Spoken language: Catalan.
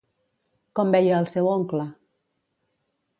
Com veia al seu oncle?